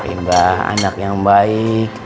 imbah anak yang baik